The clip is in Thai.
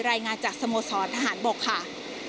รายงานจากสโมสรทหารบกค่ะ